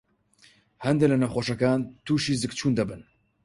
هەندێ لە نەخۆشەکان تووشى زگچوون دەبن.